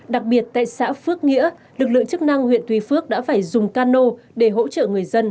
đặc biệt tại xã phước nghĩa lực lượng chức năng huyện tuy phước đã phải dùng cano để hỗ trợ người dân